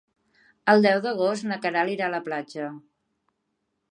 El deu d'agost na Queralt irà a la platja.